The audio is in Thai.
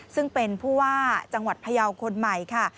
ซึ่งเป็นผู้ว่าจังหวัดพยาวคนใหม่ค่ะ